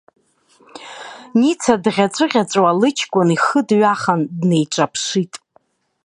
Ница дӷьаҵәыӷьаҵәуа, лыҷкәын ихы дҩахан днеиҿаԥшит.